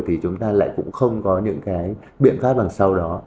thì chúng ta lại cũng không có những cái biện pháp đằng sau đó